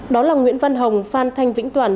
đó là nguyễn văn hồng phan thanh vĩnh toàn